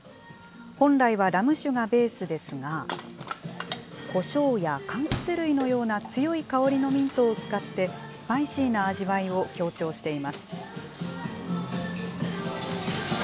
本来はラム酒がベースですが、こしょうやかんきつ類のような、強い香りのミントを使って、スパイシーな味わいを強調しています。